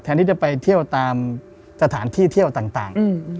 ที่จะไปเที่ยวตามสถานที่เที่ยวต่าง